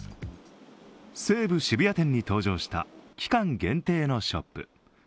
西武渋谷店に登場した期間限定のショップ。